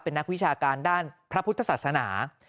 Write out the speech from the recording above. เป็นนักวิชาการด้านพระพุทธศาสนา